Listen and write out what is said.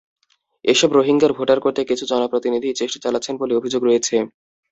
এসব রোহিঙ্গার ভোটার করতে কিছু জনপ্রতিনিধিই চেষ্টা চালাচ্ছেন বলে অভিযোগ রয়েছে।